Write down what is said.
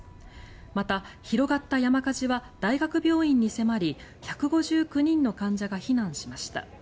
また、広がった山火事は大学病院に迫り１５９人の患者が避難しました。